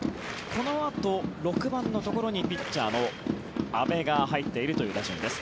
このあと６番のところにピッチャーの阿部が入っているという打順です。